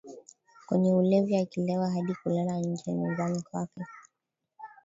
kwenye ulevi akilewa hadi kulala nje ya nyumbani kwake